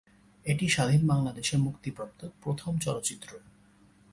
এটি স্বাধীন বাংলাদেশে মুক্তিপ্রাপ্ত প্রথম চলচ্চিত্র।